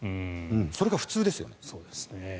それが普通ですよね。